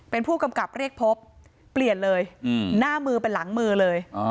เป็นผู้กำกับเรียกพบเปลี่ยนเลยหน้ามือเป็นหลังมือเลย